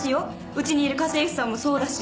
うちにいる家政婦さんもそうだし。